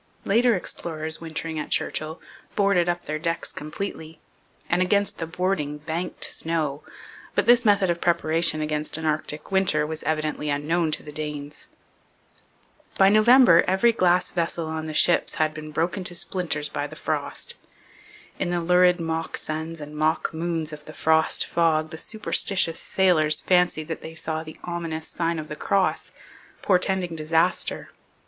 Later explorers wintering at Churchill boarded up their decks completely and against the boarding banked snow, but this method of preparation against an Arctic winter was evidently unknown to the Danes. By November every glass vessel on the ships had been broken to splinters by the frost. In the lurid mock suns and mock moons of the frost fog the superstitious sailors fancied that they saw the ominous sign of the Cross, portending disaster.